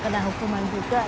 kena hukuman juga